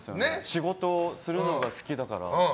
仕事するのが好きだから。